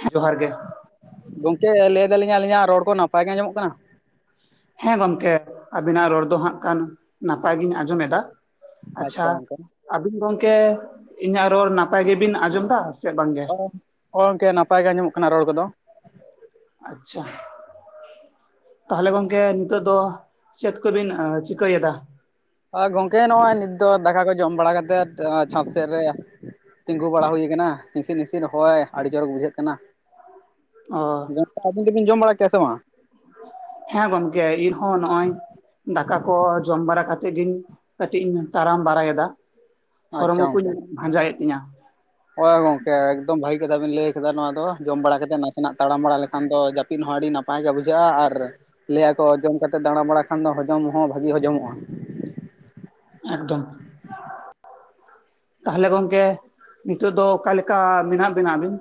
ᱦᱮᱸ ᱡᱚᱦᱟᱨ ᱜᱮ ᱾ ᱜᱚᱝᱠᱮ ᱞᱟᱹᱭ ᱫᱟᱹᱞᱤᱧ ᱟᱹᱞᱤᱧᱟᱜ ᱨᱚᱲ ᱠᱚ ᱱᱟᱯᱟᱭ ᱜᱮ ᱟᱸᱡᱚᱢᱚᱜ ᱠᱟᱱᱟ? ᱦᱮᱸ ᱜᱚᱢᱠᱮ ᱟᱹᱵᱤᱱᱟᱜ ᱨᱚᱲ ᱫᱚ ᱦᱟᱸᱜ ᱠᱷᱟᱱ ᱱᱟᱯᱟᱭ ᱜᱤᱧ ᱟᱸᱡᱚᱢ ᱮᱫᱟ ᱾ ᱟᱪᱪᱷᱟ ᱟᱹᱵᱤᱱ ᱜᱚᱢᱠᱮ ᱤᱧᱟᱹᱜ ᱨᱚᱲ ᱱᱟᱯᱟᱭ ᱜᱮᱵᱤᱱ ᱟᱸᱡᱚᱢ ᱮᱫᱟ ᱥᱮ ᱵᱟᱝ ᱜᱮ? ᱦᱳᱭ ᱜᱚᱝᱠᱮ ᱱᱟᱯᱟᱭ ᱜᱮ ᱟᱸᱡᱚᱢᱚᱜ ᱠᱟᱱᱟ ᱨᱚᱲ ᱠᱚᱫᱚ ᱾ ᱟᱪᱪᱷᱟ ᱾ ᱛᱟᱦᱚᱞᱮ ᱜᱚᱝᱠᱮ ᱱᱤᱛᱚᱜ ᱫᱚ ᱪᱮᱫᱽ ᱠᱚᱵᱤᱱ ᱪᱤᱠᱟᱹᱭᱮᱫᱟ? ᱟ ᱜᱚᱝᱠᱮ ᱱᱚᱜᱼᱚᱭ ᱱᱤᱛ ᱫᱚ ᱫᱟᱠᱟ ᱠᱚ ᱡᱚᱢ ᱵᱟᱲᱟ ᱠᱟᱛᱮᱫ ᱪᱷᱟᱫᱽ ᱥᱮᱫ ᱨᱮ᱾ ᱛᱤᱸᱜᱩ ᱵᱟᱲᱟ ᱦᱩᱭ ᱟᱠᱟᱱᱟ ᱦᱤᱥᱤᱫ ᱦᱤᱥᱤᱫ ᱦᱚᱭ ᱟᱹᱰᱤ ᱪᱚᱨᱚᱠ ᱵᱩᱡᱷᱟᱹᱜ ᱠᱟᱱᱟ ᱾ ᱚᱻ ᱜᱚᱝᱠᱮ ᱟᱹᱵᱤᱱ ᱫᱚᱵᱤᱱ ᱡᱚᱢ ᱵᱟᱲᱟ ᱠᱮᱜ-ᱟ ᱥᱮ ᱵᱟᱝ? ᱦᱮᱸ ᱜᱚᱢᱠᱮ ᱤᱨ ᱦᱚᱸ ᱱᱚᱜ-ᱚᱭ ᱫᱟᱠᱟ ᱠᱚ ᱡᱚᱢ ᱵᱟᱲᱟ ᱠᱟᱛᱮᱜ ᱜᱮᱧ ᱠᱟᱹᱴᱤᱡ ᱤᱧ ᱛᱟᱲᱟᱢ ᱵᱟᱲᱟᱭᱮᱫᱟ। ᱦᱚᱲᱢᱚ ᱠᱚᱧ ᱵᱷᱟᱸᱡᱟᱭᱮᱫ ᱛᱤᱧᱟᱹ। ᱦᱚᱭ ᱜᱚᱝᱠᱮ ᱮᱠᱫᱚᱢ ᱵᱷᱟᱹᱜᱤ ᱠᱟᱛᱷᱟ ᱵᱤᱱ ᱞᱟᱹᱭ ᱟᱠᱟᱫᱟ ᱱᱚᱣᱟ ᱫᱚ ᱡᱚᱢ ᱵᱟᱲᱟ ᱠᱟᱛᱮᱛ ᱱᱟᱥᱮᱱᱟᱜ ᱛᱟᱲᱟᱢ ᱵᱟᱲᱟ ᱞᱮᱠᱷᱟᱱ ᱫᱚ ᱡᱟᱹ ᱟᱹᱯᱤᱱ ᱦᱚᱸ ᱟᱹᱰᱤ ᱱᱟᱯᱟᱭ ᱜᱮ ᱵᱩᱡᱷᱟᱹᱜᱼᱟ ᱟᱨ ᱞᱟᱹᱭ ᱟᱠᱚ ᱡᱚᱢ ᱠᱟᱛᱮ ᱫᱟᱬᱟ ᱵᱟᱲᱟ ᱠᱷᱟᱱ ᱫᱚ ᱦᱚᱡᱚᱢ ᱦᱚᱸ ᱵᱷᱟᱹᱜᱤ ᱦᱚᱡᱚᱢᱚᱜᱼᱟ। ᱮᱠᱫᱚᱢ। ᱛᱟᱦᱚᱞᱮ ᱜᱚᱢᱠᱮ ᱱᱤᱛᱚᱜ ᱫᱚ ᱚᱠᱟ ᱞᱮᱠᱟ ᱢᱮᱱᱟᱜ ᱵᱤᱱᱟ ᱟᱹᱵᱤᱱ?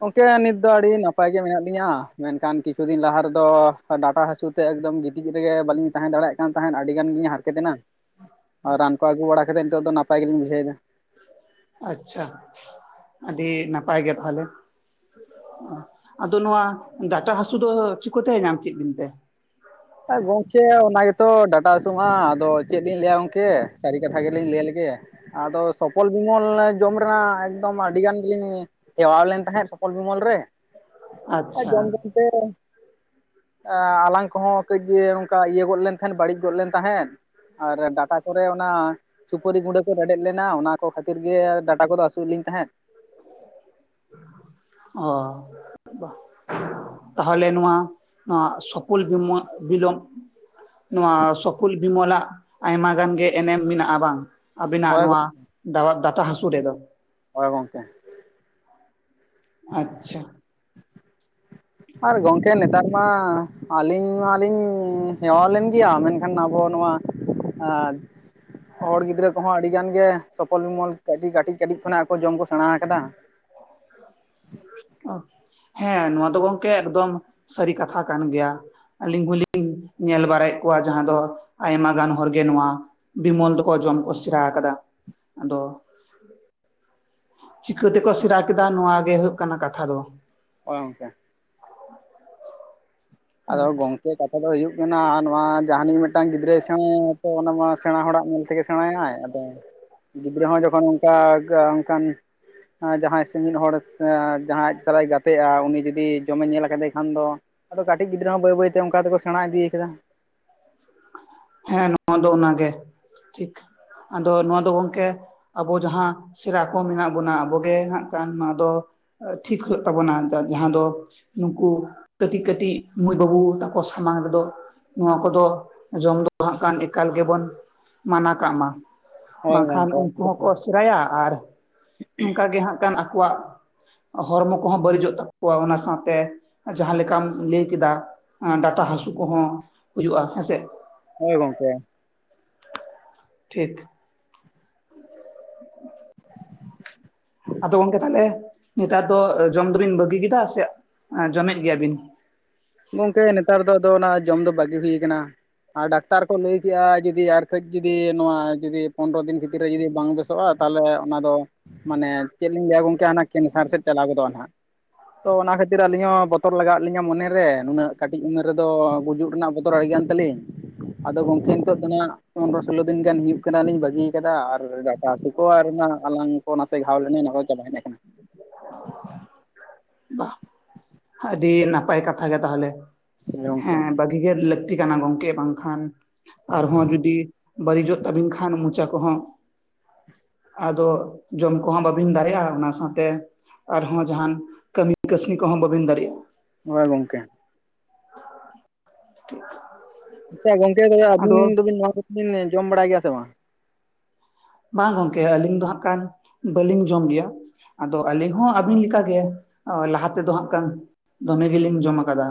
ᱜᱚᱝᱠᱮ ᱱᱤᱛ ᱫᱚ ᱟᱹᱰᱤ ᱱᱟᱯᱟᱭ ᱜᱮ ᱢᱮᱱᱟᱜ ᱞᱤᱧᱟᱹ ᱢᱮᱱᱠᱷᱟᱱ ᱠᱤᱪᱷᱩ ᱫᱤᱱ ᱞᱟᱦᱟ ᱨᱮᱫᱚ ᱰᱟᱴᱟ ᱦᱟᱹᱥᱩ ᱛᱮ ᱮᱠᱫᱚᱢ ᱜᱤᱛᱤᱡ ᱨᱮᱜᱮ ᱵᱟᱹᱞᱤᱧ ᱛᱟᱦᱮᱸ ᱫᱟᱲᱮᱭᱟᱜ ᱠᱟᱱ ᱛᱟᱦᱮᱸᱫ ᱟᱹᱰᱤ ᱜᱟᱱ ᱜᱤᱧ ᱦᱟᱨᱠᱮᱛ ᱮᱱᱟ। ᱨᱟᱱ ᱠᱚ ᱟᱹᱜᱩ ᱵᱟᱲᱟ ᱠᱟᱛᱮᱫ ᱱᱤᱛᱚᱜ ᱫᱚ ᱱᱟᱯᱟᱭ ᱜᱮᱞᱤᱧ ᱵᱩᱡᱷᱣᱮᱫᱟ। ᱟᱪᱪᱷᱟ ᱟᱹᱰᱤ ᱱᱟᱯᱟᱭ ᱜᱮ ᱛᱟᱦᱚᱞᱮ। ᱟᱫᱚ ᱱᱚᱣᱟ ᱰᱟᱴᱟ ᱦᱟᱹᱥᱩ ᱫᱚ ᱪᱤᱠᱟᱹᱛᱮ ᱧᱟᱢ ᱠᱮᱫ ᱵᱤᱱᱛᱮ? ᱜᱚᱝᱠᱮ ᱚᱱᱟ ᱜᱮᱛᱚ ᱰᱟᱴᱟ ᱦᱟᱹᱥᱩᱜ-ᱟ ᱟᱫᱚ ᱪᱮᱫ ᱞᱤᱧ ᱞᱟᱹᱭᱟ ᱜᱚᱝᱠᱮ ᱥᱟᱹᱨᱤ ᱠᱟᱛᱷᱟ ᱜᱮᱞᱤᱧ ᱞᱟᱹᱭ ᱟ ᱞᱮᱜᱮ᱾ ᱟᱫᱚ ᱥᱚᱯᱚᱞ ᱵᱤᱢᱚᱞ ᱡᱚᱢ ᱨᱮᱱᱟᱜ ᱮᱠᱫᱚᱢ ᱟᱹᱰᱤ ᱜᱟᱱ ᱞᱤᱧ ᱪᱟᱣ ᱞᱮᱱ ᱛᱟᱦᱮᱸᱫ ᱥᱚᱯᱚᱞ ᱵᱤᱢᱚᱞ ᱨᱮ᱾ ᱡᱚᱢ ᱟᱪᱪᱷᱟ ᱡᱚᱢ ᱛᱮ ᱟᱞᱟᱝ ᱮ ᱠᱚᱦᱚᱸ ᱠᱟᱹᱡ ᱜᱮ ᱚᱱᱠᱟ ᱤᱭᱟᱹ ᱜᱚᱫ ᱞᱮᱱ ᱛᱟᱦᱮᱸᱫ ᱵᱟᱹᱲᱤᱡ ᱜᱚᱫ ᱞᱮᱱ ᱛᱟᱦᱮᱸᱱ᱾ ᱟᱨ ᱰᱟᱴᱟ ᱠᱚᱨᱮ ᱚᱱᱟ ᱥᱩᱯᱩᱨᱤ ᱜᱩᱸᱰᱟᱹ ᱠᱚ ᱨᱮᱰᱮᱫ ᱞᱮᱱᱟ ᱚᱱᱟ ᱠᱚ ᱠᱷᱟᱹᱛᱤᱨ ᱜᱮ ᱰᱟᱴᱟ ᱠᱚᱨᱮ ᱦᱟᱹᱥᱩᱭ ᱮᱫ ᱞᱤᱧ ᱛᱟᱦᱮᱸᱫ᱾ ᱚ, ᱛᱟᱦᱚᱞᱮ ᱱᱚᱣᱟ ᱱᱚᱣᱟ ᱥᱩᱠᱚᱞ, ᱵᱤᱢᱚᱞ ᱵᱤᱞᱚᱢ ᱱᱚᱣᱟ ᱥᱚᱠᱩᱞ, ᱵᱤᱢᱚᱞᱟᱜ ᱟᱭᱢᱟ ᱜᱟᱱ ᱜᱮ ᱮᱱᱮᱢ ᱢᱮᱱᱟᱜ-ᱟ ᱵᱟᱝ᱾ ᱟᱵᱤᱱᱟᱜ ᱦᱳᱭ ᱱᱚᱣᱟ ᱜᱚᱝ ᱰᱟ ᱰᱟᱴᱟ ᱦᱟᱹᱥᱩ ᱨᱮᱫᱚ᱾ ᱦᱮ ᱜᱚᱝᱠᱮ, ᱟᱪᱪᱷᱟ, ᱟᱨ ᱜᱚᱝᱠᱮ ᱱᱮᱛᱟᱨ ᱢᱟ ᱟᱹᱞᱤᱧ ᱢᱟᱞᱤᱧ ᱦᱮᱣᱟ ᱞᱮᱱ ᱜᱮᱭᱟ᱾ ᱢᱮᱱᱠᱷᱟᱱ ᱟᱵᱚ ᱱᱚᱣᱟ ᱟᱸ ᱦᱚᱲ ᱜᱤᱫᱽᱨᱟᱹ ᱠᱚᱦᱚᱸ ᱟᱹᱰᱤ ᱜᱟᱱ ᱜᱮ ᱥᱚᱯᱷᱚᱞ, ᱵᱤᱢᱚᱞ ᱠᱟᱹᱴᱤᱡ ᱠᱟᱹᱴᱤᱡ ᱠᱟᱹᱴᱤᱡ ᱠᱷᱚᱱᱟᱜ ᱟᱠᱚ ᱡᱚᱢ ᱠᱚ ᱥᱮᱬᱟ ᱠᱟᱫᱟ᱾ ᱚ ᱦᱮᱸ ᱱᱚᱣᱟ ᱫᱚ ᱜᱚᱝᱠᱮ ᱮᱠᱫᱚᱢ ᱥᱟᱹᱨᱤ ᱠᱟᱛᱷᱟ ᱠᱟᱱ ᱜᱮᱭᱟ᱾ ᱟᱹᱞᱤᱧ ᱦᱚᱸᱞᱤᱧ ᱧᱮᱞ ᱵᱟᱲᱟᱭ ᱮᱫ ᱠᱚᱣᱟ ᱡᱟᱦᱟᱸ ᱫᱚ ᱟᱭᱢᱟ ᱜᱟᱱ ᱦᱚᱲ ᱜᱮ ᱱᱚᱣᱟ ᱵᱤᱢᱚᱞ ᱫᱚᱠᱚ ᱡᱚᱢ ᱠᱚ ᱥᱮᱨᱟ ᱟᱠᱟᱫᱟ᱾ ᱟᱫᱚ ᱪᱤᱠᱟᱹ ᱛᱮᱠᱚ ᱥᱮᱬᱟ ᱠᱮᱫᱟ ᱱᱚᱶᱟ ᱜᱮ ᱦᱩᱭᱩᱜ ᱠᱟᱱᱟ ᱠᱟᱛᱷᱟ ᱫᱚ᱾ ᱦᱳᱭ ᱜᱚᱝᱠᱮ, ᱟᱫᱚ ᱜᱚᱝ- ᱠᱮ ᱠᱟᱛᱷᱟ ᱫᱚ ᱦᱩᱭᱩᱜ ᱠᱟᱱᱟ ᱱᱚᱣᱟ ᱡᱟᱦᱟᱱᱤᱡ ᱢᱤᱫᱴᱟᱝ ᱜᱤᱫᱽᱨᱟᱹᱭ ᱥᱮᱬᱟ ᱟᱠᱟᱫᱟ ᱚᱱᱟᱢᱟ ᱥᱮᱬᱟ ᱦᱚᱲ ᱟᱜ ᱧᱮᱞ ᱛᱮᱜᱮ ᱥᱮᱬᱟᱭᱟᱭ ᱟᱫᱚ᱾ ᱜᱤᱫᱽᱨᱟᱹ ᱦᱚᱸ ᱡᱚᱠᱷᱚᱱ ᱚᱱᱠᱟ ᱚᱱᱠᱟᱱ ᱚᱱᱟ ᱡᱟᱦᱟᱸᱭ ᱥᱟᱺᱜᱤᱧ ᱦᱚᱲ ᱡᱟᱦᱟᱸᱭ ᱟᱡ ᱥᱟᱞᱟᱭ ᱜᱟᱛᱮᱜ-ᱟ ᱩᱱᱤ ᱡᱩᱫᱤ ᱡᱚᱢ ᱮ ᱧᱮᱞ ᱠᱟᱫᱮ ᱠᱷᱟᱱ ᱫᱚ᱾ ᱟᱫᱚ ᱠᱟᱹᱴᱤᱡ ᱜᱤᱫᱽᱨᱟᱹ ᱦᱚᱸ ᱵᱟᱹᱭ ᱵᱟᱹᱭᱛᱮ ᱚᱱᱠᱟ ᱛᱮᱠᱚ ᱥᱮᱬᱟ ᱤᱫᱤ ᱟᱠᱟᱫᱟ᱾ ᱦᱮᱸ ᱱᱚᱣᱟ ᱫᱚ ᱚᱱᱟ ᱜᱮ ᱴᱷᱤᱠ᱾ ᱟᱫᱚ ᱱᱚᱣᱟ ᱫᱚ ᱜᱚᱝᱠᱮ ᱟᱵᱚ ᱡᱟᱦᱟᱸ ᱥᱮᱨᱟ ᱠᱚ ᱢᱮᱱᱟᱜ ᱵᱚᱱᱟ᱾ ᱟᱵᱚ ᱜᱮ ᱦᱟᱸᱜ ᱠᱷᱟᱱ ᱟᱫᱚ ᱴᱷᱤᱠ ᱦᱩᱭᱩᱜ ᱛᱟᱵᱚᱱᱟ ᱟᱫᱚ ᱡᱟᱦᱟᱸ ᱫᱚ ᱱᱩᱠᱩ ᱠᱟᱹᱴᱤᱡ ᱠᱟᱹᱴᱤᱡ ᱢᱟᱹᱭ ᱵᱟᱹᱵᱩ ᱛᱟᱠᱚ ᱥᱟᱢᱟᱝ ᱨᱮᱫᱚ ᱱᱚᱣᱟ ᱠᱚᱫᱚ ᱡᱚᱢ ᱫᱚ ᱦᱟᱸᱜ ᱠᱷᱟᱱ ᱮᱠᱟᱞ ᱜᱮᱵᱚᱱ ᱢᱟᱱᱟ ᱠᱟᱜ ᱢᱟ᱾ ᱦᱳᱭ ᱵᱟᱝᱠᱷᱟᱱ ᱜᱚᱝᱠᱮ ᱩᱱᱠᱩ ᱦᱚᱸᱠᱚ ᱥᱮᱨᱟᱭᱟ, ᱟᱨ ᱚᱱᱠᱟ ᱜᱮ ᱦᱟᱸᱜ ᱠᱷᱟᱱ ᱟᱠᱚᱣᱟᱜ ᱦᱚᱲᱢᱚ ᱠᱚᱦᱚᱸ ᱵᱟᱹᱲᱤᱡᱚᱜ ᱛᱟᱠᱚᱣᱟ᱾ ᱚᱱᱟ ᱥᱟᱶᱛᱮ ᱡᱟᱦᱟᱸ ᱞᱮᱠᱟᱢ ᱞᱟᱹᱭ ᱠᱮᱫᱟ ᱰᱟᱴᱟ ᱦᱟᱹᱥᱩ ᱠᱚᱦᱚᱸ ᱦᱩᱭᱩᱜ-ᱟ ᱦᱮᱸᱥᱮ᱾ ᱦᱳᱭ ᱜᱚᱝᱠᱮ, ᱴᱷᱤᱠ, ᱟᱫᱚ ᱜᱚᱝᱠᱮ ᱛᱟᱦᱚᱞᱮ ᱱᱮᱛᱟᱨ ᱫᱚ ᱡᱚᱢ ᱫᱚᱵᱤᱱ ᱵᱟᱹᱜᱤ ᱠᱮᱫᱟ ᱥᱮ ᱡᱚᱢᱮᱫ ᱜᱮᱭᱟᱵᱤᱱ? ᱜᱚᱝᱠᱮ ᱱᱮᱛᱟᱨ ᱫᱚ ᱟᱫᱚ ᱚᱱᱟ ᱡᱚᱢ ᱫᱚ ᱵᱟᱹᱜᱤ ᱦᱩᱭ ᱠᱟᱱᱟ᱾ ᱟᱨ ᱰᱟᱠᱛᱟᱨ ᱠᱚ ᱞᱟᱹᱭ ᱠᱮᱜ-ᱟ ᱡᱩᱫᱤ ᱟᱨ ᱠᱟᱹᱡ ᱡᱩᱫᱤ ᱱᱚᱣᱟ ᱡᱩᱫᱤ ᱯᱚᱱᱨᱚ ᱫᱤᱱ ᱵᱷᱤᱛᱨᱤ ᱨᱮ ᱡᱩᱫᱤ ᱵᱟᱝ ᱵᱮᱥ- ᱦᱳᱭᱳᱜ-ᱟ ᱛᱟᱦᱚᱞᱮ ᱚᱱᱟ ᱫᱚ ᱢᱟᱱᱮ ᱪᱮᱫ ᱞᱤᱧ ᱞᱟᱹᱭᱟ ᱜᱚᱝᱠᱮ ᱦᱟᱱᱟ ᱠᱮᱱᱥᱟᱨ ᱥᱮᱫ ᱪᱟᱞᱟᱣ ᱜᱚᱫᱚᱜ-ᱟ ᱦᱟᱸᱜ᱾ ᱛᱚ ᱚᱱᱟ ᱠᱷᱟᱹᱛᱤᱨ ᱟᱹᱞᱤᱧ ᱦᱚᱸ ᱵᱚᱛᱚᱨ ᱞᱟᱜᱟᱣ ᱟᱜ ᱞᱤᱧᱟᱹ ᱢᱚᱱᱮ ᱨᱮ᱾ ᱱᱩᱱᱟᱹᱜ ᱠᱟᱹᱴᱤᱡ ᱩᱢᱮᱨ ᱨᱮᱫᱚ ᱜᱩᱡᱩᱜ ᱨᱮᱱᱟᱜ ᱵᱚᱫᱚᱨ ᱟᱹᱰᱤᱜᱟᱱ ᱛᱟᱹᱞᱤᱧ ᱟᱫᱚ ᱜᱚᱝᱠᱮ ᱱᱤᱛᱚᱜ ᱫᱚ ᱱᱟᱜ ᱯᱚᱱᱨᱚ, ᱥᱳᱞᱳ ᱫᱤᱱᱟᱱ ᱜᱟᱱ ᱦᱩᱭᱩᱜ ᱠᱟᱱᱟ ᱞᱤᱧ ᱵᱟᱹᱜᱤ ᱠᱮᱫ ᱟᱨ ᱰᱟᱴᱟ ᱦᱟᱹᱥᱩ ᱠᱚ ᱟᱨ ᱚᱱᱟ ᱟᱞᱟᱝ ᱠᱚ ᱱᱟᱥᱮ ᱜᱷᱟᱣ ᱞᱮᱱᱟ ᱚᱱᱟ ᱠᱚ ᱪᱟᱵᱟ ᱦᱮᱡ ᱟᱠᱟᱱᱟ᱾ ᱵᱟᱦ ᱟᱹᱰᱤ ᱱᱟᱯᱟᱭ ᱠᱟᱛᱷᱟ ᱜᱮ ᱛᱟᱦᱚᱞᱮ ᱜᱚᱝᱠᱮ ᱦᱮᱸ ᱵᱟ ᱩᱭᱦᱟ. ᱨ ᱞᱟᱹᱠᱛᱤ ᱠᱟᱱᱟ ᱜᱚᱝᱠᱮ ᱵᱟᱝᱠᱷᱟᱱ ᱟᱨᱦᱚᱸ ᱡᱩᱫᱤ ᱵᱟᱹᱲᱤᱡᱚᱜ ᱛᱟᱵᱤᱱ ᱠᱷᱟᱱ ᱢᱚᱪᱟ ᱠᱚᱦᱚᱸ ᱟᱫᱚ ᱡᱚᱢ ᱠᱚᱦᱚᱸ ᱵᱟᱹᱵᱤᱱ ᱫᱟᱨᱮᱜᱼᱟ ᱚᱱᱟ ᱥᱟᱶᱛᱮ ᱟᱨᱦᱚᱸ ᱡᱟᱦᱟᱱ ᱠᱟᱹᱢᱤ ᱠᱟᱹᱥᱱᱤ ᱠᱚᱦᱚᱸ ᱵᱟᱵᱤᱱ ᱫᱟᱨᱮᱜᱼᱟ᱾ ᱦᱜᱭ ᱜᱚᱝᱠᱮ᱾ [unintelligible] ᱟᱪᱪᱷᱟ ᱜᱚᱝᱠᱮ ᱟᱹᱵᱤᱱ ᱫᱚᱵᱤᱱ ᱟᱫᱚ ᱫᱩᱵᱤᱱ ᱱᱚᱣᱟ ᱠᱚ ᱵᱤᱱ ᱡᱚᱢ ᱵᱟᱲᱟᱭ ᱜᱮᱭᱟ ᱥᱮ ᱵᱟᱝ? ᱵᱟᱝ ᱜᱚᱝᱠᱮ ᱟᱹᱞᱤᱧ ᱫᱚ ᱦᱟᱜ ᱠᱷᱟᱱ ᱵᱟᱹᱞᱤᱧ ᱡᱚᱢ ᱜᱮᱭᱟ᱾ ᱟᱫᱚ ᱟᱹᱞᱤᱧ ᱦᱚᱸ ᱟᱹᱵᱤᱱ ᱞᱮᱠᱟᱜᱮ ᱞᱟᱦᱟ ᱛᱮᱫᱚ ᱦᱟᱜ ᱠᱟᱱ ᱫᱚᱢᱮ ᱜᱮᱞᱤᱧ ᱡᱚᱢ ᱠᱟᱫᱟ᱾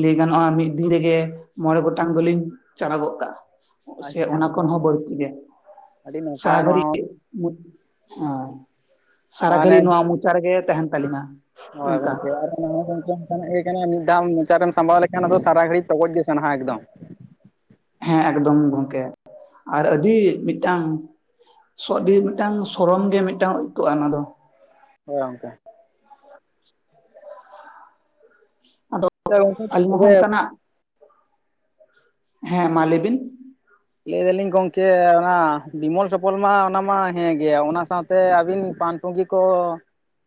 ᱞᱟᱹᱭ ᱜᱟᱱᱚᱜᱼᱟ ᱢᱤᱫ ᱫᱤᱱ ᱨᱮᱜᱮ ᱢᱚᱬᱮ ᱜᱚᱴᱟᱝ ᱫᱚ ᱞᱤᱧ ᱪᱟᱞᱟᱣ ᱜᱚᱫ ᱠᱟᱜᱼᱟ᱾ ᱥᱮ ᱟᱪᱪᱷᱟ ᱚᱱᱟ ᱠᱷᱚᱱ ᱦᱚᱸ ᱵᱟᱹᱲᱛᱤ ᱜᱮ ᱟᱹᱰᱤ ᱥᱟᱨᱟ ᱱᱟᱯᱟᱭ ᱱᱚᱣᱟ ᱜᱷᱟᱹᱲᱤᱡ ᱦᱚᱸ ᱦᱮᱸ᱾ ᱥᱟᱨᱟ ᱢᱟᱱᱮ ᱜᱷᱟᱹᱲᱤᱡ ᱱᱚᱣᱟ ᱢᱚᱪᱟ ᱨᱮᱜᱮ ᱛᱟᱦᱮᱱ ᱛᱟᱹᱞᱤᱧᱟ ᱦᱳᱭ ᱚᱱᱠᱟ᱾ ᱜᱚᱝᱠᱮ ᱟᱨ ᱚᱱᱟ ᱦᱚ ᱜᱟᱫᱮᱞ ᱚᱱᱠᱟ ᱱᱟᱜ ᱜᱮ ᱠᱟᱱᱟ ᱢᱤᱫ ᱫᱷᱟᱣ ᱢᱚᱪᱟᱨᱮᱢ ᱥᱟᱢᱵᱟᱣ ᱞᱮᱠᱷᱟᱱ ᱟᱫᱚ ᱥᱟᱨᱟ ᱜᱷᱟᱹᱲᱤᱡ ᱛᱚᱜᱚᱡ ᱜᱮ ᱥᱟᱱᱟ ᱮᱠᱫᱚᱢ᱾ ᱦᱮᱸ ᱮᱠᱫᱚᱢ ᱜᱚᱝᱠᱮ ᱟᱨ ᱟᱹᱰᱤ ᱢᱤᱫᱴᱟᱝ ᱥᱚᱰᱤ ᱢᱤᱫᱴᱟᱝ ᱥᱚᱨᱚᱢ ᱜᱮ ᱢᱤᱫᱴᱟᱝ ᱟᱹᱭᱠᱜᱼᱟ ᱚᱱᱟ ᱫᱚ᱾ ᱦᱳᱭ ᱜᱚᱝᱠᱮ᱾ ᱟᱫᱚ ᱟᱪᱪᱷᱟ ᱜᱚᱝᱠᱮ ᱟᱹᱞᱤᱧ ᱦᱚᱸ ᱛᱚᱵᱮ ᱚᱱᱠᱟᱱᱟᱜ ᱦᱮᱸ ᱢᱟ ᱞᱟᱹᱭ ᱵᱤᱱ ᱞᱟᱹᱭ ᱫᱟᱞᱤᱧ ᱜᱚᱝᱠᱮ ᱚᱱᱟ ᱵᱤᱢᱚᱞ ᱥᱚᱯᱚᱞ ᱢᱟ ᱚᱱᱟ ᱢᱟ ᱦᱮᱸ ᱜᱮ ᱚᱱᱟ ᱥᱟᱶᱛᱮ ᱟᱹᱵᱤᱱ ᱯᱟᱱ ᱯᱩᱝᱜᱤ ᱠᱚ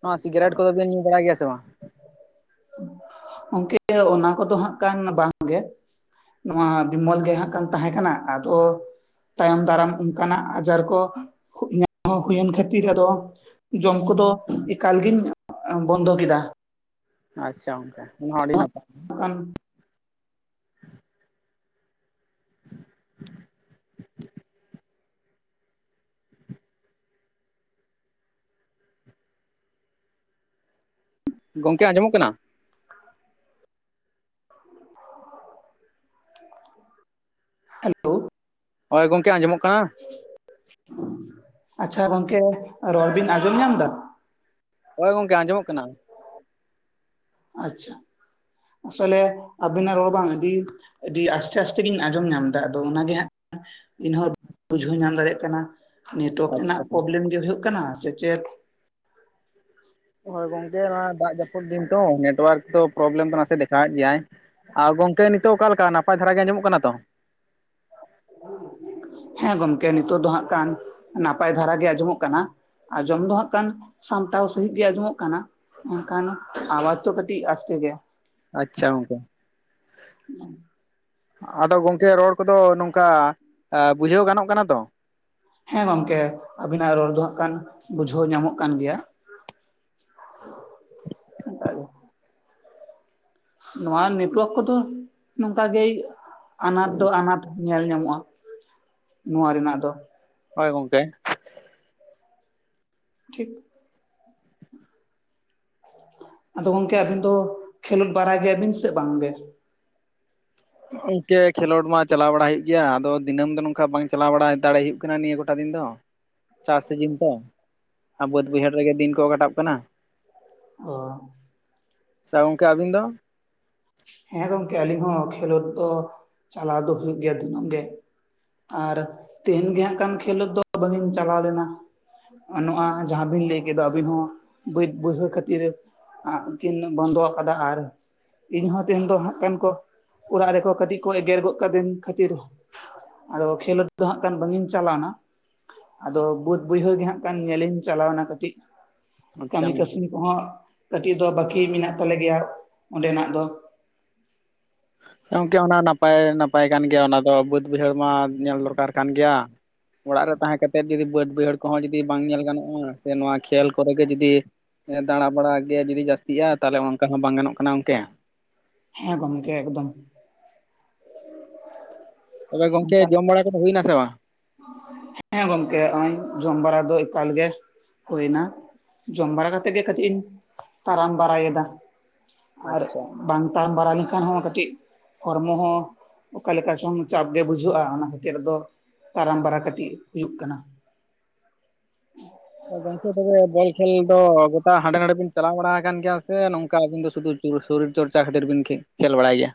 ᱱᱚᱣᱟ ᱥᱤᱜᱟᱨᱴ ᱠᱚᱫᱚ ᱵᱮᱱ ᱧᱩ ᱵᱟᱲᱟᱭ ᱜᱮᱭᱟ ᱥᱮ ᱵᱟᱝ? ᱜᱚᱝᱠᱮ ᱚᱱᱟ ᱠᱚᱫᱚ ᱦᱟᱸᱜ ᱠᱟᱱ ᱵᱟᱝ ᱜᱮ ᱱᱚᱣᱟ ᱵᱤᱢᱚᱞ ᱜᱮ ᱦᱟᱸᱜ ᱠᱟᱱ ᱛᱟᱦᱮᱸ ᱠᱟᱱᱟ ᱟᱫᱚ ᱛᱟᱭᱚᱢ ᱫᱟᱨᱟᱢ ᱚᱱᱠᱟᱱᱟᱜ ᱟᱡᱟᱨ ᱠᱚ ᱧᱟᱢ ᱦᱩᱭᱮᱱ ᱠᱷᱟᱹᱛᱤᱨ ᱟᱫᱚ ᱡᱚᱢ ᱠᱚᱫᱚ ᱮᱠᱟᱞᱜᱤᱧ ᱵᱚᱱᱫᱚ ᱠᱮᱫᱟ᱾ ᱟᱪᱪᱷᱟ ᱜᱚᱝᱠᱮ ᱚᱱᱟᱦᱚᱸ ᱟᱹᱰᱤ ᱱᱟᱯᱟᱭ ᱾ ᱠᱷᱟᱱ [unintelligible] ᱜᱚᱝᱠᱮ ᱟᱸᱡᱚᱢᱚᱜ ᱠᱟᱱᱟ? ᱦᱮᱞᱳ ᱦᱚᱭ ᱜᱚᱝᱠᱮ ᱟᱸᱡᱚᱢᱚᱜ ᱠᱟᱱᱟ᱾ ᱟᱪᱪᱷᱟ ᱜᱚᱝᱠᱮ ᱨᱚᱲᱵᱤᱱ ᱟᱸᱡᱚᱢ ᱧᱟᱢ ᱫᱟ? ᱦᱳᱭ ᱜᱚᱝᱠᱮ ᱟᱸᱡᱚᱢᱚᱜ ᱠᱟᱱᱟ᱾ ᱟᱪᱪᱷᱟ ᱟᱥᱚᱞᱮ ᱟᱵᱤᱱᱟᱜ ᱲᱚᱲ ᱵᱟᱝ ᱟ. ᱰᱤ ᱟᱹᱰᱤ ᱟᱥᱛᱮ ᱟᱥᱛᱮ ᱜᱤᱧ ᱟᱸᱡᱚᱢ ᱧᱟᱢᱫᱟ ᱟᱫᱚ ᱚᱱᱟᱜᱮ ᱦᱟᱸᱜ ᱤᱧᱦᱚᱸ ᱵᱩᱡᱷᱟᱹᱣᱧ ᱧᱟᱢ ᱫᱟᱲᱮᱭᱟᱜ ᱠᱟᱱᱟ ᱱᱮᱴᱳᱣᱟᱨᱠ ᱨᱮᱱᱟᱜ ᱟᱪᱪᱷᱟ ᱯᱨᱚᱵᱞᱮᱢ ᱜᱮ ᱦᱩᱭᱩᱜᱜ ᱠᱟᱱᱟ ᱥᱮ ᱪᱮᱫ? ᱦᱳᱭ ᱜᱚᱝᱠᱮ ᱱᱚᱣᱟ ᱫᱟᱜ ᱡᱟᱹᱯᱩᱫ ᱫᱤᱱ ᱛᱚ ᱱᱮᱴᱣᱟᱨᱠ ᱫᱚ ᱯᱨᱚᱵᱽᱞᱮᱢ ᱫᱚ ᱱᱟᱥᱮ ᱫᱮᱠᱷᱟᱣᱮᱫ ᱜᱮᱭᱟᱭ ᱟᱨ ᱜᱚᱝᱠᱮ ᱱᱤᱛᱚᱜ ᱚᱠᱟᱮᱠᱟ ᱱᱟᱯᱟᱭ ᱫᱷᱟᱨᱟ ᱜᱮ ᱟᱡᱚᱢᱚᱜ ᱠᱟᱱᱟ ᱛᱚ? ᱦᱮᱸ ᱜᱚᱝᱠᱮ ᱱᱤᱛᱚᱜ ᱫᱚ ᱦᱟᱜ ᱠᱟᱱ ᱱᱟᱯᱟᱭ ᱫᱷᱟᱨᱟ ᱜᱮ ᱟᱸᱡᱚᱢᱚᱜ ᱠᱟᱱᱟ᱾ ᱟᱸᱡᱚᱢ ᱫᱚ ᱦᱟᱸᱜ ᱠᱟᱱ ᱥᱟᱢᱴᱟᱣ ᱥᱟᱹᱦᱤᱡ ᱜᱮ ᱟᱸᱡᱚᱢᱚᱜ ᱠᱟᱱᱟ᱾ ᱮᱱᱠᱟᱱ ᱠᱟᱱᱚᱜ ᱟᱣᱟᱡ ᱛᱚ ᱠᱟᱹᱴᱤᱡ ᱟᱥᱛᱮ ᱜᱮ᱾ ᱟᱪᱪᱷᱟ ᱜᱚᱝᱠᱮ᱾ ᱟᱫᱚ ᱜᱚᱝᱠᱮ ᱨᱚᱲ ᱠᱚᱫᱚ ᱱᱚᱝᱠᱟ ᱵᱩᱡᱷᱟᱹᱣ ᱜᱟᱱᱚᱜ ᱠᱟᱱᱟ ᱛᱚ? ᱦᱮᱸ ᱜᱚᱢᱠᱮ ᱟᱵᱤᱱᱼᱟᱜ ᱨᱚᱲ ᱫᱚ ᱦᱟᱸᱜᱠᱷᱟᱱ ᱵᱩᱡᱷᱟᱹᱣ ᱧᱟᱢᱚᱜ ᱠᱟᱱ ᱜᱮᱭᱟ᱾ ᱚᱱᱠᱟ ᱜᱮ᱾ ᱱᱚᱣᱟ ᱱᱮᱴᱚᱣᱟᱨᱠ ᱠᱚᱫᱚ ᱱᱚᱝᱠᱟ ᱜᱮᱭ ᱟᱱᱟᱴ ᱫᱚ ᱟᱱᱟᱴ ᱧᱮᱞ ᱧᱟᱢᱚᱜᱼᱟ ᱱᱚᱣᱟ ᱨᱮᱱᱟᱜ ᱫᱚ᱾ ᱦᱳᱭ ᱜᱚᱝᱠᱮ᱾ ᱴᱷᱤᱠ ᱟᱫᱚ ᱜᱚᱝᱠᱮ ᱟᱹᱵᱤᱱ ᱫᱚ ᱠᱷᱮᱞᱳᱰ ᱵᱟᱲᱟᱭ ᱜᱮᱭᱟ ᱵᱤᱱ ᱥᱮ ᱵᱟᱝ ᱜᱮ? ᱜᱚᱝᱠᱮ ᱠᱷᱮᱞᱳᱰ ᱢᱟ ᱪᱟᱞᱟᱣ ᱵᱟᱲᱟ ᱦᱩᱭᱩᱜ ᱜᱮᱭᱟ ᱟᱫᱚ ᱫᱤᱱᱟᱹᱢ ᱫᱚ ᱱᱚᱝᱠᱟ ᱵᱟᱝ ᱪᱟᱞᱟᱣ ᱵᱟᱲᱟ ᱫᱟᱲᱮ ᱦᱩᱭᱩᱜ ᱠᱟᱱᱟ ᱱᱤᱭᱟᱹ ᱠᱚᱴᱟ ᱫᱤᱱ ᱫᱚ᱾ ᱪᱟᱥ ᱥᱤᱡᱤᱱ ᱛᱚ ᱵᱟᱹᱫᱽ ᱵᱟᱹᱭᱦᱟᱹᱲ ᱨᱮᱜᱮ ᱫᱤᱱ ᱠᱚ ᱠᱟᱴᱟᱜ ᱠᱟᱱᱟ᱾ ᱚ ᱥᱮ ᱜᱚᱝᱠᱮ ᱟᱹᱵᱤᱱ ᱫᱚ? ᱦᱮᱸ ᱜᱚᱝᱠᱮ ᱟᱹᱞᱤᱧ ᱦᱚᱸ ᱠᱷᱮᱞᱳᱰ ᱫᱚ ᱪᱟᱞᱟᱣ ᱫᱚ ᱦᱩᱭᱩᱜ ᱜᱮᱭᱟ ᱫᱤᱱᱟᱹᱢ ᱜᱮ᱾ ᱟᱨ ᱛᱮᱦᱮᱧ ᱜᱮ ᱦᱟᱸᱜ ᱠᱷᱟᱱ ᱠᱷᱮᱞᱳᱰ ᱫᱚ ᱵᱟᱝᱤᱧ ᱪᱟᱞᱟᱣ ᱞᱮᱱᱟ᱾ ᱱᱚᱜ ᱱᱚᱣᱟ ᱡᱟᱦᱟᱸ ᱵᱤᱱ ᱞᱟᱹᱭ ᱠᱮᱫ ᱫᱚ ᱟᱹᱵᱤᱱ ᱦᱚᱸ ᱵᱟᱹᱫᱽ ᱵᱟᱹᱭᱦᱟᱹᱲ ᱠᱷᱟᱹᱛᱤᱨ [inaudible] ᱠᱤᱱ ᱵᱚᱱᱫᱟ ᱟᱠᱟᱫᱟ ᱟᱨ ᱤᱧᱦᱚᱸ ᱩᱱᱫᱚ ᱦᱟᱸᱜ [inaudible] ᱠᱚ ᱚᱲᱟᱜ ᱨᱮᱠᱚ ᱠᱟᱹᱴᱤᱡ ᱠᱚ ᱮᱜᱮᱨ ᱜᱚᱫ ᱠᱟᱫᱤᱧ ᱠᱷᱟᱹᱛᱤᱨ ᱟᱫᱚ ᱠᱷᱮᱞᱳᱰ ᱫᱚ ᱦᱟᱸᱜ ᱠᱷᱟᱱ ᱵᱟᱝᱤᱧ ᱪᱟᱞᱟᱣ ᱮᱱᱟ᱾ ᱟᱫᱚ ᱵᱟᱹᱫ ᱵᱟᱹᱭᱦᱟᱹᱲ ᱜᱮ ᱦᱟᱸᱜ ᱠᱷᱟᱱ ᱧᱮᱞᱤᱧ ᱪᱟᱞᱟᱣ ᱞᱮᱱᱟ ᱠᱟᱹᱴᱤᱡ᱾ ᱟᱪᱪᱷᱟ ᱠᱟᱹᱢᱤ ᱠᱟᱹᱥᱱᱤ ᱠᱚᱦᱚᱸ ᱠᱟᱹᱴᱤᱡ ᱫᱚ ᱵᱟᱠᱤ ᱢᱮᱱᱟᱜ ᱛᱟᱞᱮ ᱜᱮᱭᱟ ᱚᱸᱰᱮᱱᱟᱜ ᱫᱚ᱾ ᱜᱚᱝᱠᱮ ᱚᱱᱟ ᱱᱟᱯᱟᱭ ᱱᱟᱯᱟᱭ ᱠᱟᱱ ᱜᱮᱭᱟ ᱚᱱᱟ ᱫᱚ ᱵᱟᱹᱫᱽ ᱵᱟᱹᱭᱦᱟᱹᱲ ᱢᱟ ᱧᱮᱞ ᱫᱚᱨᱠᱟᱨ ᱠᱟᱱ ᱜᱮᱭᱟ᱾ ᱚᱲᱟᱜ ᱨᱮ ᱛᱟᱦᱮᱸ ᱠᱟᱛᱮᱫ ᱡᱩᱫᱤ ᱵᱟᱹᱫᱽ ᱵᱟᱹᱭᱦᱟᱹᱲ ᱠᱚᱦᱚᱸ ᱡᱩᱫᱤ ᱵᱟᱝ ᱧᱮᱞ ᱜᱟᱱᱚᱜᱼᱟ ᱥᱮ ᱱᱚᱣᱟ ᱠᱷᱮᱞ ᱠᱚᱨᱮ ᱜᱮ ᱡᱩᱫᱤ ᱦᱮᱸ ᱫᱟᱬᱟ ᱵᱟᱲᱟ ᱜᱮ ᱡᱩᱫᱤ ᱡᱟᱹᱥᱛᱤᱜᱼᱟ ᱛᱟᱦᱚᱞᱮ ᱚᱱᱠᱟ ᱦᱚᱸ ᱵᱟᱝ ᱜᱟᱱᱚᱜ ᱠᱟᱱᱟ ᱜᱚᱝᱠᱮ᱾ ᱦᱮᱸ ᱜᱚᱝᱠᱮ ᱮᱠᱫᱚᱢ᱾ ᱛᱚᱵᱮ ᱜᱚᱝᱠᱮ ᱚᱱᱠᱟᱱ ᱡᱚᱢ ᱵᱟᱲᱟ ᱠᱚᱫᱚ ᱦᱩᱭᱱᱟ ᱥᱮ ᱵᱟᱝ? ᱦᱮᱸ ᱜᱚᱝᱠᱮ ᱦᱚᱸᱜᱼᱚᱭ ᱡᱚᱢ ᱵᱟᱲᱟ ᱫᱚ ᱮᱠᱟᱞ ᱜᱮ ᱦᱩᱭ ᱮᱱᱟ᱾ ᱡᱚᱢ ᱵᱟᱲᱟ ᱠᱟᱛᱮᱫ ᱜᱮ ᱠᱟᱹᱴᱤᱡ ᱤᱧ ᱛᱟᱨᱟᱢ ᱵᱟᱨᱟᱭ ᱮᱫᱟ᱾ ᱟᱨ ᱟᱪᱪᱷᱟ ᱵᱟᱝ ᱛᱟᱨᱟᱢ ᱵᱟᱲᱟ ᱞᱮᱠᱷᱟᱱ ᱦᱚᱸ ᱠᱟᱹᱴᱤᱡ ᱦᱚᱲᱢᱚ ᱦᱚᱸ ᱚᱠᱟ ᱞᱮᱠᱟ ᱪᱚᱝ ᱪᱟᱯ ᱜᱮ ᱵᱩᱡᱷᱟᱹᱜᱼᱟ ᱚᱱᱟ ᱠᱷᱟᱹᱛᱤᱨ ᱟᱫᱚ ᱛᱟᱨᱟᱢ ᱵᱟᱨᱟ ᱠᱟᱹᱴᱤᱡ ᱦᱩᱭᱩᱜ ᱠᱟᱱᱟ᱾ ᱜᱚᱝᱠᱮ ᱛᱚᱵᱮ ᱵᱚᱞ ᱠᱷᱮᱞ ᱫᱚ ᱜᱚᱴᱟ ᱦᱟᱸᱰᱮ ᱱᱟᱸᱰᱮ ᱵᱤᱱ ᱪᱟᱞᱟᱣ ᱵᱟᱲᱟ ᱟᱠᱟᱱ ᱜᱮᱭᱟ ᱥᱮ ᱱᱚᱝᱠᱟ ᱟᱹᱵᱤᱱ ᱫᱚ ᱥᱩᱫᱩ ᱥᱚᱨᱤᱨ ᱪᱚᱨᱪᱟ ᱠᱷᱟᱹᱛᱤᱨ ᱵᱤᱱ ᱠᱷᱮᱞ ᱵᱟᱲᱟᱭ ᱜᱮᱭᱟ?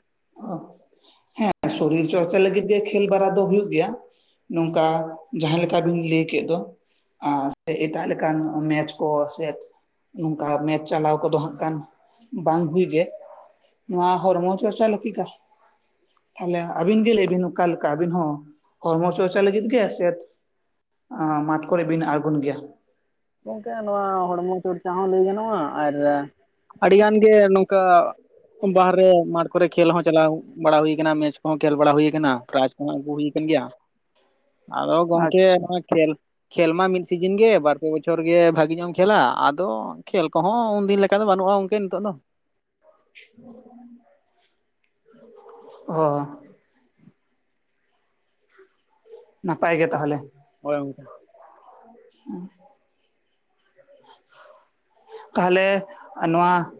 ᱦᱮᱸ ᱥᱚᱨᱤᱨ ᱪᱚᱨᱪᱟ ᱞᱟᱹᱜᱤᱫ ᱜᱮ ᱠᱷᱮᱞ ᱵᱟᱲᱟ ᱫᱚ ᱦᱩᱭᱩᱜ ᱜᱮᱭᱟ᱾ ᱱᱚᱝᱠᱟ ᱡᱟᱦᱟᱸ ᱞᱮᱠᱟ ᱵᱤᱱ ᱞᱟᱹᱭ ᱠᱮᱫ ᱫᱚ᱾ ᱟᱨ ᱥᱮ ᱮᱴᱟᱜ ᱞᱮᱠᱟᱱ ᱢᱮᱪ ᱠᱚ ᱥᱮ ᱱᱚᱝᱠᱟ ᱢᱮᱪ ᱪᱟᱞᱟᱣ ᱠᱚᱫᱚ ᱦᱟᱸᱜ ᱠᱷᱟᱱ ᱵᱟᱝ ᱦᱩᱭ ᱜᱮ᱾ ᱱᱚᱣᱟ ᱦᱚᱨᱢᱚ ᱪᱚᱨᱪᱟ [unintelligible] ᱛᱟᱦᱚᱞᱮ ᱟᱹᱵᱤᱱ ᱜᱮ ᱞᱟᱹᱭ ᱵᱤᱱ ᱚᱠᱟ ᱞᱮᱠᱟ ᱟᱹᱵᱤᱱ ᱦᱚᱸ ᱦᱚᱨᱢᱚ ᱪᱚᱨᱪᱟ ᱞᱟᱹᱜᱤᱫ ᱜᱮ ᱥᱮ ᱢᱟᱴᱷ ᱠᱚᱨᱮ ᱵᱤᱱ ᱟᱲᱜᱳᱱ ᱜᱮᱭᱟ? ᱜᱚᱝᱠᱮ ᱱᱚᱣᱟ ᱦᱚᱲᱢᱚ ᱪᱚᱨᱪᱟ ᱦᱚᱸ ᱞᱟᱹᱭ ᱜᱟᱱᱚᱜᱼᱟ ᱟᱨ ᱟᱹᱰᱤ ᱜᱟᱱ ᱜᱮ ᱱᱚᱝᱠᱟ ᱵᱟᱦᱨᱮ ᱢᱟᱴᱷ ᱠᱚᱨᱮ ᱠᱷᱮᱞ ᱦᱚᱸ ᱪᱟᱞᱟᱣ ᱵᱟᱲᱟ ᱦᱩᱭ ᱠᱟᱱᱟ ᱢᱮᱪ ᱠᱚᱦᱚᱸ ᱠᱷᱮᱞ ᱵᱟᱲᱟ ᱦᱩᱭ ᱟᱠᱟᱱᱟ ᱯᱮᱨᱟᱭᱤᱡ ᱠᱚᱦᱚᱸ ᱟᱹᱜᱩ ᱦᱩᱭ ᱟᱠᱟᱱ ᱜᱮᱭᱟ᱾ [inaudible] ᱟᱫᱚ ᱜᱚᱝᱠᱮ ᱟᱪᱪᱷᱟ ᱱᱚᱸᱜᱼᱚᱭ ᱠᱷᱮᱞ ᱠᱷᱮᱞ ᱢᱟ ᱢᱤᱫ ᱥᱤᱡᱤᱱ ᱜᱮ ᱵᱟᱨ ᱯᱮ ᱵᱚᱪᱷᱚᱨ ᱜᱮ ᱵᱷᱟᱹᱜᱤ ᱧᱚᱸᱜ ᱮᱢ ᱠᱷᱮᱹᱞᱟ ᱟᱫᱚ ᱠᱷᱮᱞ ᱠᱚᱦᱚᱸ ᱩᱱᱫᱤᱱ ᱞᱮᱠᱟ ᱫᱚ ᱵᱟᱹᱱᱩᱜᱼᱟ ᱜᱚᱝᱠᱮ ᱱᱤᱛᱚᱜ ᱫᱚ᱾ [inaudible] ᱚ᱾ ᱱᱟᱯᱟᱭ ᱜᱮ ᱛᱟᱦᱚᱞᱮ? ᱦᱳᱭ ᱜᱚᱝᱠᱮ᱾ [inaudible] ᱛᱟᱦᱞᱮ ᱱᱚᱣᱟ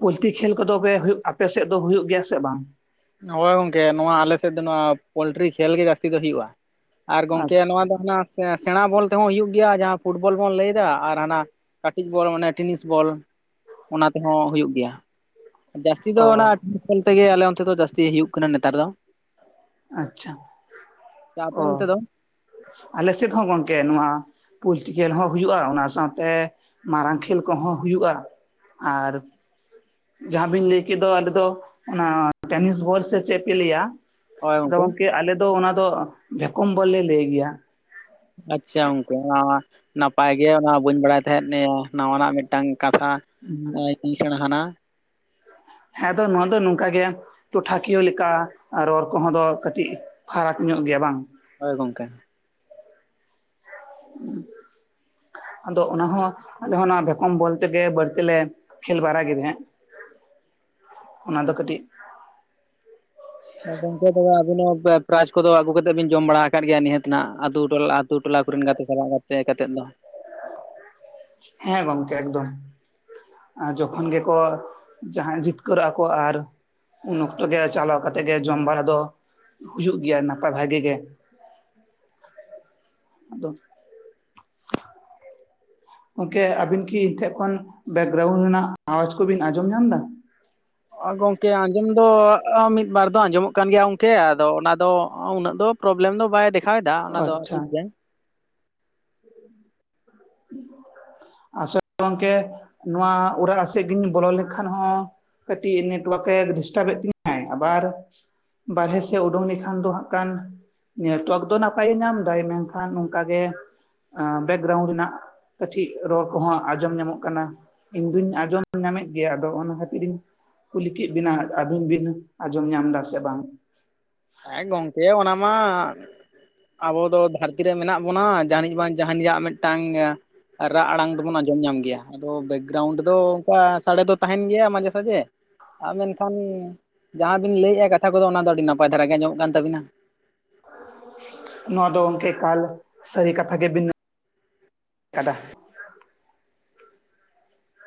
ᱯᱚᱥᱞᱛᱤ ᱠᱷᱮᱞ ᱠᱚᱫᱚ ᱦᱩᱭᱩᱜ ᱟᱯᱮ ᱥᱮᱫ ᱫᱚ ᱦᱩᱭᱩᱜ ᱜᱮᱭᱟ ᱥᱮ ᱵᱟᱝ? ᱦᱳᱭ ᱜᱚᱝᱠᱮ ᱱᱚᱣᱟ ᱟᱞᱮᱥᱮᱫ ᱫᱚ ᱱᱚᱣᱟ ᱯᱳᱞᱴᱤᱨᱤ ᱠᱷᱮᱞ ᱜᱮ ᱡᱟᱹᱥᱛᱤ ᱫᱚ ᱦᱩᱭᱩᱜᱼᱟ᱾ ᱟᱨ ᱜᱚᱝᱠᱮ ᱟᱪᱪᱷᱟ ᱱᱚᱣᱟ ᱫᱚ ᱦᱟᱱᱟ ᱥᱮᱬᱟ ᱵᱚᱞ ᱛᱮᱦᱚᱸ ᱦᱩᱭᱩᱜ ᱜᱮᱭᱟ ᱡᱟᱦᱟᱸ ᱯᱷᱩᱴᱵᱚᱞ ᱵᱚᱱ ᱞᱟᱹᱭᱮᱫᱟ ᱟᱨ ᱦᱟᱱᱟ ᱠᱟᱹᱴᱤᱡ ᱵᱚᱞ ᱚᱱᱮ ᱴᱮᱱᱤᱥ ᱵᱚᱞ [inaudible] ᱚᱱᱟ ᱛᱮᱦᱚᱸ ᱦᱩᱭᱩᱜ ᱜᱮᱭᱟ ᱾ ᱡᱟᱹᱥᱛᱤ ᱫᱚ ᱚ ᱚᱱᱟ ᱴᱮᱱᱤᱥ ᱵᱚᱞ ᱛᱮᱜᱮ ᱟᱞᱮ ᱚᱱᱛᱮ ᱫᱚ ᱡᱟᱹᱥᱛᱤ ᱦᱩᱭᱩᱜ ᱠᱟᱱᱟ ᱱᱮᱛᱟᱨ ᱫᱚ ᱾ ᱟᱪᱪᱷᱟ [inaudible] ᱚᱱᱛᱮ ᱚ ᱫᱚ [inaudible] ᱟᱞᱮ ᱥᱮᱫ ᱦᱚᱸ ᱜᱚᱝᱠᱮ ᱱᱚᱣᱟ ᱯᱚᱞᱴᱤ ᱠᱷᱮᱞ ᱦᱚᱸ ᱦᱩᱭᱩᱜ-ᱟ ᱚᱱᱟ ᱥᱟᱶᱛᱮ ᱢᱟᱨᱟᱝ ᱠᱷᱮᱞ ᱠᱚᱦᱚᱸ ᱦᱩᱭᱩᱜ-ᱟ ᱾ ᱟᱨ ᱡᱟᱦᱟᱸ ᱵᱤᱱ ᱞᱟᱹᱭᱠᱮᱫ ᱫᱚ ᱟᱞᱮ ᱫᱚ ᱚᱱᱟ ᱴᱮᱱᱤᱥ ᱵᱚᱞ ᱥᱮ ᱪᱮᱫ ᱯᱮ ᱞᱟᱹᱭᱟ ᱟᱫᱚ ᱜᱚᱝᱠᱮ ᱟᱞᱮ ᱫᱚ ᱚᱱᱟ ᱫᱚ ᱵᱷᱮᱠᱚᱢ ᱵᱚᱞ ᱞᱮ ᱞᱟᱹᱭ ᱜᱮᱭᱟ ᱾ ᱟᱪᱪᱷᱟ ᱜᱚᱝᱠᱮ ᱢᱟ ᱢᱟ ᱾ ᱱᱟᱯᱟᱭᱜᱮ ᱚᱱᱟ ᱵᱟᱹᱧ ᱵᱟᱲᱟᱭ ᱛᱟᱦᱮᱸᱫ ᱱᱟᱣᱟᱱᱟᱜ ᱢᱤᱫᱴᱟᱝ ᱠᱟᱛᱷᱟ ᱤᱧ ᱥᱮᱬᱟ ᱦᱟᱱᱟ ᱾ ᱦᱮᱸᱛᱚ ᱱᱚᱣᱟ ᱫᱚ ᱱᱚᱝᱠᱟ ᱜᱮᱭᱟ ᱾ ᱴᱚᱴᱷᱟᱠᱤᱭᱟᱹ ᱞᱮᱠᱟ ᱨᱚᱲ ᱠᱚᱦᱚᱸ ᱫᱚ ᱠᱟᱹᱴᱤᱡ ᱯᱷᱟᱨᱟᱠ ᱧᱚᱜ ᱜᱮᱭᱟ ᱵᱟᱝ? ᱦᱳᱭ ᱜᱚᱝᱠᱮ ᱾ ᱦᱩᱸ [inaudible] ᱟᱫᱚ ᱚᱱᱟ ᱦᱚᱸ ᱟᱞᱮ ᱦᱚᱸ ᱚᱱᱟ ᱵᱷᱮᱠᱚᱢ ᱵᱚᱞ ᱛᱮᱜᱮ ᱵᱟᱹᱲᱛᱤ ᱞᱮ ᱠᱷᱮᱞ ᱵᱟᱲᱟ ᱠᱮᱫᱟ ᱾ [inaudible] ᱚᱱᱟ ᱫᱚ ᱠᱟᱹᱴᱤᱡ ᱥᱮ ᱜᱚᱝᱠᱮ ᱟᱹᱵᱤᱱ ᱦᱚᱸ ᱯᱨᱟᱭᱤᱡ ᱠᱚᱫᱚ ᱟᱹᱜᱩ ᱠᱟᱛᱮ ᱵᱤᱱ ᱡᱚᱢ ᱵᱟᱲᱟ ᱟᱠᱟᱫ ᱜᱮᱭᱟ ᱱᱤᱦᱟᱹᱛ ᱱᱟᱦᱟᱜ ᱟᱛᱳ ᱴᱚᱞᱟ ᱟᱛᱳ ᱴᱚᱞᱟ ᱠᱚᱨᱮᱱ ᱜᱟᱛᱮ ᱥᱟᱞᱟᱜ ᱛᱟᱦᱮᱸ ᱠᱟᱛᱮᱫ ᱫᱚ ᱾ ᱦᱮᱸ ᱜᱚᱝᱠᱮ ᱮᱠᱫᱚᱢ ᱾ ᱟᱨ ᱡᱚᱠᱷᱚᱱ ᱜᱮᱠᱚ ᱡᱟᱦᱟᱸᱭ ᱡᱤᱛᱠᱟᱹᱨᱚᱜ-ᱟ ᱠᱚ ᱟᱨ ᱩᱱ ᱚᱠᱛᱚ ᱜᱮ ᱪᱟᱞᱟᱣ ᱠᱟᱛᱮ ᱜᱮ ᱡᱚᱢ ᱵᱟᱲᱟ ᱫᱚ ᱦᱩᱭᱩᱜ ᱜᱮᱭᱟ ᱱᱟᱯᱟᱭ ᱵᱷᱟᱜᱮ ᱜᱮ ᱾ [inaudible] ᱟᱫᱚ ᱜᱚᱝᱠᱮ ᱟᱹᱵᱤᱱ ᱠᱤ ᱤᱧ ᱴᱷᱮᱱ ᱠᱷᱚᱱ ᱵᱮᱠᱜᱨᱟᱣᱩᱱᱰ ᱨᱮᱱᱟᱜ ᱟᱣᱟᱡ ᱠᱚᱵᱤᱱ ᱟᱸᱡᱚᱢ ᱧᱟᱢ ᱮᱫᱟ? ᱜᱚᱢᱠᱮ ᱟᱸᱡᱚᱢ ᱫᱚ ᱢᱤᱫ ᱵᱟᱨ ᱫᱚ ᱟᱸᱡᱚᱢᱚᱜ ᱠᱟᱱ ᱜᱮᱭᱟ ᱜᱚᱝᱠᱮ, ᱟᱫᱚ ᱚᱱᱟ ᱫᱚ ᱩᱱᱟᱹᱜ ᱫᱚ ᱯᱨᱚᱵᱞᱮᱢ ᱫᱚ ᱵᱟᱭ ᱫᱮᱠᱷᱟᱣ ᱮᱫᱟ ᱚᱱᱟ ᱫᱚ ᱟᱪᱪᱷᱟ ᱴᱷᱤᱠᱜᱮᱭᱟ ᱾ [inaudible] ᱟᱥᱚᱞ ᱜᱚᱝᱠᱮ ᱱᱚᱣᱟ ᱚᱲᱟᱜ ᱥᱮᱫ ᱤᱧ ᱵᱚᱞᱚ ᱞᱮᱠᱷᱟᱱ ᱦᱚᱸ ᱠᱟᱹᱴᱤᱡ ᱱᱮᱴᱳᱣᱟᱨᱠ ᱮ ᱰᱤᱥᱴᱟᱵ ᱮᱫ ᱛᱤᱧᱟᱭ ᱟᱵᱟᱨ ᱵᱟᱨᱦᱮ ᱥᱮᱫ ᱩᱰᱩᱝ ᱞᱮᱠᱷᱟᱱ ᱫᱚ ᱦᱟᱸᱜ ᱠᱟᱱ ᱱᱮᱴᱚᱣᱟᱨᱠ ᱫᱚ ᱱᱟᱯᱟᱭ ᱜᱮ ᱧᱟᱢᱫᱟᱭ ᱢᱮᱱᱠᱷᱟᱱ ᱱᱚᱝᱠᱟᱜᱮ ᱵᱮᱠᱜᱨᱟᱣᱩᱱᱰ ᱨᱮᱱᱟᱜ ᱠᱟᱹᱴᱤᱡ ᱨᱚᱲ ᱠᱚᱦᱚᱸ ᱟᱸᱡᱚᱢ ᱧᱟᱢᱚᱜ ᱠᱟᱱᱟ ᱤᱧ ᱫᱩᱧ ᱟᱸᱡᱚᱢ ᱧᱟᱢᱮᱫ ᱜᱮᱭᱟ ᱟᱫᱚ ᱚᱱᱟ ᱠᱷᱟᱹᱛᱤᱨ ᱤᱧ ᱠᱩᱞᱤ ᱠᱮᱫ ᱵᱤᱱᱟ ᱟᱵᱤᱱ ᱵᱤᱱ ᱟᱸᱡᱚᱢ ᱧᱟᱢ ᱮᱫᱟ ᱥᱮ ᱵᱟᱝ ᱾ ᱦᱮᱸ ᱜᱚᱢᱠᱮ ᱚᱱᱟ ᱢᱟ ᱟᱵᱚ ᱫᱚ ᱫᱷᱟᱹᱨᱛᱤ ᱨᱮ ᱢᱮᱱᱟᱜ ᱵᱚᱱᱟ ᱡᱟᱱᱤᱡ ᱵᱟᱝ ᱡᱟᱦᱟᱱᱤᱡᱟᱜ ᱢᱤᱫᱴᱟᱝ ᱨᱟᱜ ᱟᱲᱟᱝ ᱫᱚᱵᱚᱱ ᱟᱸᱡᱚᱢ ᱧᱟᱢ ᱜᱮᱭᱟ ᱾ ᱟᱫᱚ ᱵᱮᱠᱜᱨᱟᱣᱩᱱᱰ ᱫᱚ ᱚᱱᱠᱟ ᱥᱟᱰᱮ ᱫᱚ ᱛᱟᱦᱮᱱ ᱜᱮᱭᱟ ᱢᱟᱡᱷᱮ ᱥᱟᱡᱷᱮ ᱾ ᱟᱨ ᱢᱮᱱᱠᱷᱟᱱ ᱡᱟᱦᱟᱸ ᱵᱤᱱ ᱞᱟᱹᱭᱮᱫ-ᱟ ᱠᱟᱛᱷᱟ ᱠᱚᱫᱚ ᱚᱱᱟ ᱫᱚ ᱟᱹᱰᱤ ᱱᱟᱯᱟᱭ ᱫᱷᱟᱨᱟ ᱜᱮ ᱟᱸᱡᱚᱢᱚᱜ ᱠᱟᱱ ᱛᱟᱹᱵᱤᱱᱟ ᱾ [inaudible] ᱱᱚᱣᱟ ᱫᱚ ᱜᱚᱢᱠᱮ ᱮᱠᱟᱞ ᱥᱟᱹᱨᱤ ᱠᱟᱛᱷᱟ ᱜᱮ ᱵᱤᱱ [inaudible] ᱟᱠᱟᱫᱟ ᱾